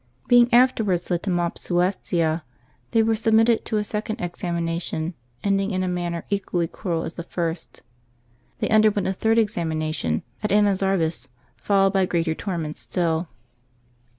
Being afterwards led to Mopsuestia, they were submitted to a second examination, ending in a man ner equally cruel as the first. They underwent a third examination at Anazarbis, followed by greater torments still.